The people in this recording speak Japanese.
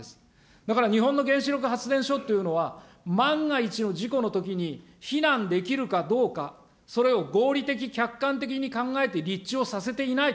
だから日本の原子力発電所っていうのは、万が一の事故のときに避難できるかどうか、それを合理的、客観的に考えて立地をさせていない。